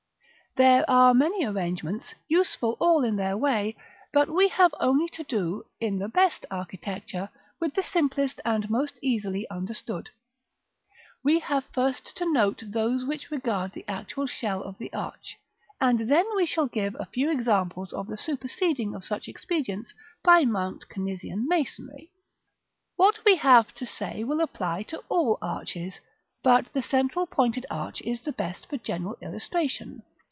There are many arrangements, useful all in their way, but we have only to do, in the best architecture, with the simplest and most easily understood. We have first to note those which regard the actual shell of the arch, and then we shall give a few examples of the superseding of such expedients by Mont Cenisian masonry. § III. What we have to say will apply to all arches, but the central pointed arch is the best for general illustration.